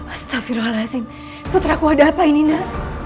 astagfirullahaladzim puteraku ada apa ini nak